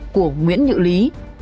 của nguyễn nhữ lý